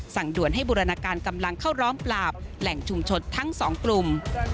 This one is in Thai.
ด่วนให้บูรณาการกำลังเข้าร้อมปราบแหล่งชุมชนทั้งสองกลุ่ม